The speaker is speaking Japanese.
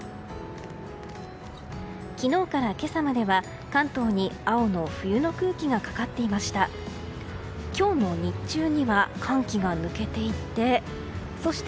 昨日から今朝までは関東に、青の冬の空気がかかっていました。